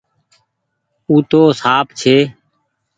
او تو سانپ ڇي۔